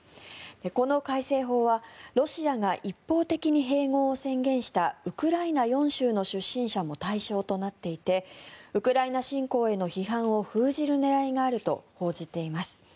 この改正法はロシアが一方的に併合を宣言したウクライナ４州の出身者も対象となっていてウクライナ侵攻への批判を封じる狙いがあると報じています。